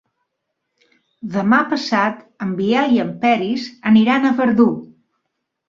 Demà passat en Biel i en Peris aniran a Verdú.